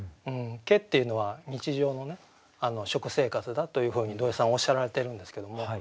ケっていうのは日常のね食生活だというふうに土井さんおっしゃられてるんですけども。